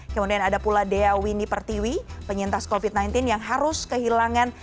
kemudian ada pula dea winni pertiwi penyintas covid sembilan belas yang harus kehilangan